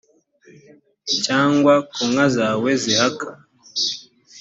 cyangwa ku nka zawe zihaka